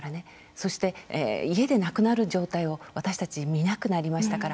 そして家で亡くなる状態を私たち、見なくなりましたから。